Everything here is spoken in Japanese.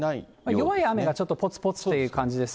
弱い雨がちょっとぽつぽつっていう感じです。